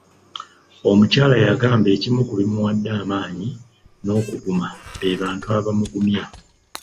Omukyala yagamba ekimu ku bimuwadde amaanyi n’okuguma be bantu abamugumya.